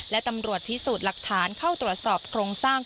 และตำรวจพิสูจน์หลักฐานเข้าตรวจสอบโครงสร้าง